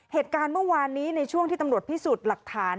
เหตุการณ์เมื่อวานนี้ในช่วงที่ตำรวจพิสูจน์หลักฐาน